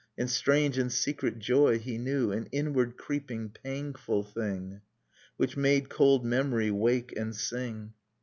And strange and secret joy he knew : An inward creeping pangful thing Which made cold memory wake and sing.